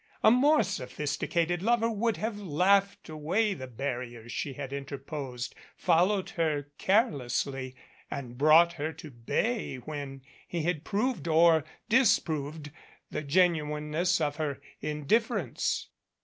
A more sophisticated lover would have laughed away the barriers she had interposed, followed her care lessly, and brought her to bay when he had proved or disproved the genuineness of her indifference.